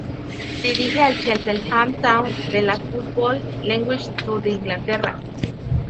Dirige al Cheltenham Town de la Football League Two de Inglaterra.